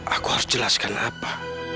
aku harus jelaskan apa